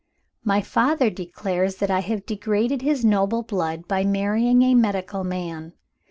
"My father declares that I have degraded his noble blood by marrying a medical man.